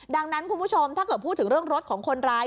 ดังนั้นคุณผู้ชมถ้าเกิดพูดถึงเรื่องรถของคนร้าย